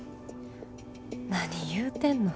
何言うてんの。